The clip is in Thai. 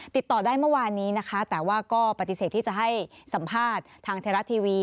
ติดต่อได้เมื่อวานนี้นะคะแต่ว่าก็ปฏิเสธที่จะให้สัมภาษณ์ทางไทยรัฐทีวี